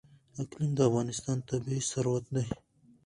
اقلیم د افغانستان طبعي ثروت دی.